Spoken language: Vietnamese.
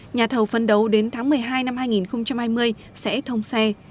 nhà thầu phấn đấu đến tháng một mươi hai năm hai nghìn hai mươi sẽ thông xe